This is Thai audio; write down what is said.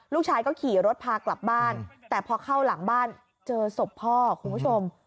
ลูกชายก็ขี่รถพากลับบ้านแต่พอเข้าหลังบ้านเจอศพพ่อคุณผู้ชม